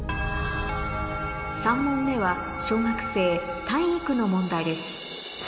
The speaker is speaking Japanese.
３問目は小学生体育の問題です